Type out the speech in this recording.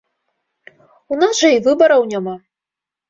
У нас жа і выбараў няма!